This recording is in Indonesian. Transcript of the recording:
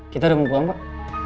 kita udah mau pulang pak